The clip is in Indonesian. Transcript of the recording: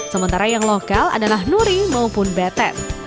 sementara yang lokal adalah nuri maupun betet